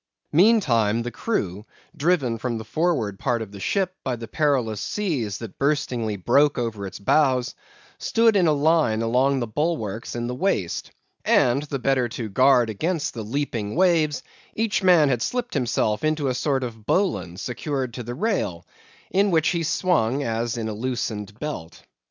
Meantime, the crew driven from the forward part of the ship by the perilous seas that burstingly broke over its bows, stood in a line along the bulwarks in the waist; and the better to guard against the leaping waves, each man had slipped himself into a sort of bowline secured to the rail, in which he swung as in a loosened belt.